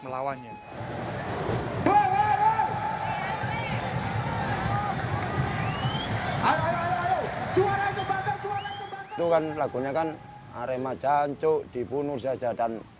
melawannya hai hai hai hai hai hai suara suara itu kan lagunya kan arema jancuk dibunuh saja dan